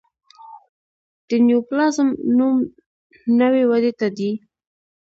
د نیوپلازم نوم نوي ودې ته دی.